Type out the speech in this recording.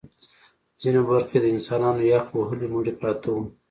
ځینو برخو کې د انسانانو یخ وهلي مړي پراته وو